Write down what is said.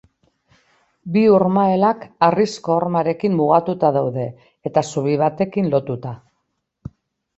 Bi urmaelak harrizko hormarekin mugatuta daude eta zubi batekin lotuta.